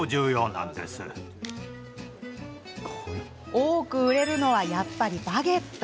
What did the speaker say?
多く売れるのはやっぱりバゲット。